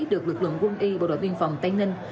được lực lượng quân y bộ đội biên phòng tây ninh